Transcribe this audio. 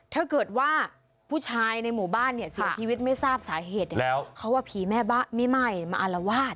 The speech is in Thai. ถ้าเกิดว่าผู้ชายในหมู่บ้านเนี่ยเสียชีวิตไม่ทราบสาเหตุแล้วเขาว่าผีแม่ไม่ไหม้มาอารวาส